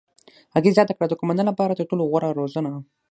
هغې زیاته کړه: "د قوماندان لپاره تر ټولو غوره روزنه.